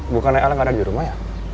bukan rakyatnya gak ada di rumah ya